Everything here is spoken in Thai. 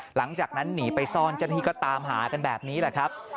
หลังจากนั้นหนีไปซ่อนเจ้าหน้าที่ก็ตามหากันแบบนี้แหละครับ